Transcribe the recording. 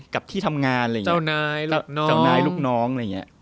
กับที่ทำงานเจ้านายลูกน้อง